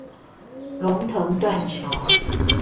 龍騰斷橋